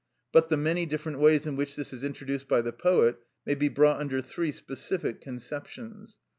But the many different ways in which this is introduced by the poet may be brought under three specific conceptions.